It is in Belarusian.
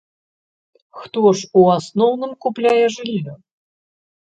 Хто ж у асноўным купляе жыллё?